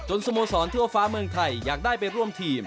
สโมสรทั่วฟ้าเมืองไทยอยากได้ไปร่วมทีม